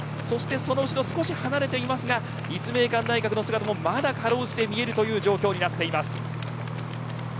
その後ろ、少し離れていますが立命館大学の姿も辛うじて見える状況になっています。